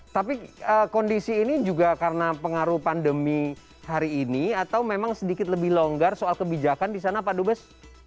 tapi kondisi ini juga karena pengaruh pandemi hari ini atau memang sedikit lebih longgar soal kebijakan di sana pak dubes